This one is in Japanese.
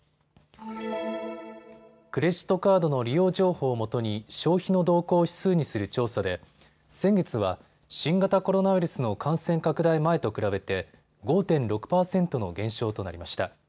クレジットカードの利用情報をもとに消費の動向を指数にする調査で先月は新型コロナウイルスの感染拡大前と比べて５．６％の減少となりました。